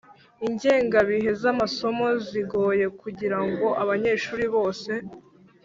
Ingengabihe z amasomo zigoye kugira ngo abanyeshuri bose